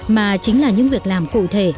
mà chính là những việc làm cụ thể